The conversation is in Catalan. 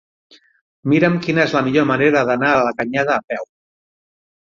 Mira'm quina és la millor manera d'anar a la Canyada a peu.